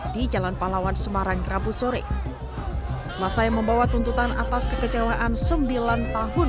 di jalan palawan semarang rabu sore masa yang membawa tuntutan atas kekecewaan sembilan tahun